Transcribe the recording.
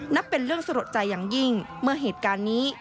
นับเป็นเรื่องสลดใจอย่างยิ่งเมื่อเหตุการณ์นี้